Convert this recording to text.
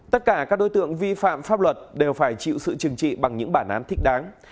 tất cả các đối tượng vi phạm pháp luật đều phải chịu sự trừng trị bằng những bản án thích đáng